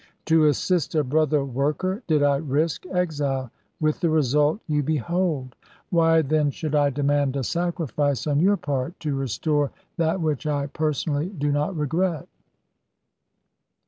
To assist a brother worker did I risk exile, with the result you behold. Why, then, should I demand a sacrifice on your part, to restore that which I personally do not regret?"